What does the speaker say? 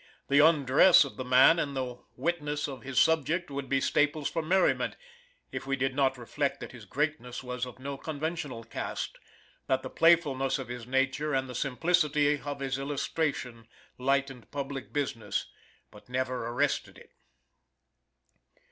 The undress of the man and the witness of his subject would be staples for merriment if we did not reflect that his greatness was of no conventional cast, that the playfulness of his nature and the simplicity of his illustration lightened public business but never arrested it.